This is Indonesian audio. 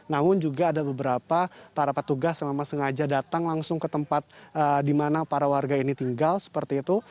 namun juga ada beberapa para petugas yang memang sengaja datang langsung ke tempat di mana para warga ini tinggal seperti itu